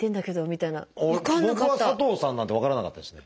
僕は「佐藤さん」なんて分からなかったですね。